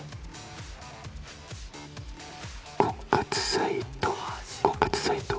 婚活サイト婚活サイト。